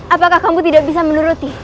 apakah kamu tidak bisa menuruti